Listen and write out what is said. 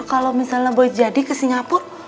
kalo misalnya boleh jadi ke singapur